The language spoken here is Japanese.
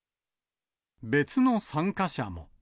別の参加者も。